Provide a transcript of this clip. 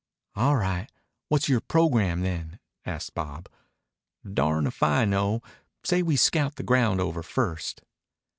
"All right. What's yore programme, then?" asked Bob. "Darned if I know. Say we scout the ground over first."